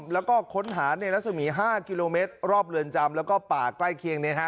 แล้วก็ค้นหาเนสมีท๕กมรอบเรือนจำแล้วก็ป่าใกล้เคียง